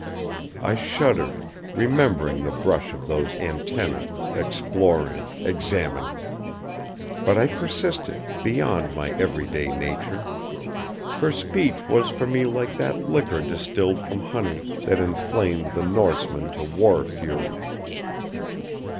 I shuddered, remembering the brush of those antennæ, exploring, examining! But I persisted, beyond my every day nature. Her speech was for me like that liquor distilled from honey that inflamed the Norsemen to war fury.